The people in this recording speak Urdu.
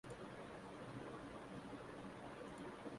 کہ جس کے بعد فتویٰ بازی قابلِ دست اندازیِ پولیس جرم بن جائے